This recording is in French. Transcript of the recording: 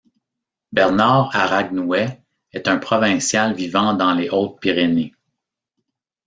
Bernard Aragnouet est un provincial vivant dans les Hautes-Pyrénées.